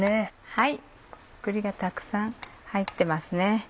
はい栗がたくさん入ってます。